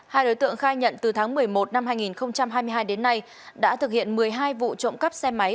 hai đối tượng khai nhận từ tháng một mươi một năm hai nghìn hai mươi hai đến nay đã thực hiện một mươi hai vụ trộm cắp xe máy